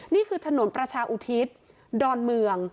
นี่คือถนนประชาอุทิศดอนเมือง